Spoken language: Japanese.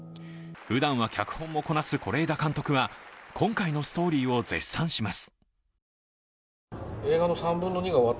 ふだんは脚本もこなす是枝監督は今回のストーリーを絶賛します。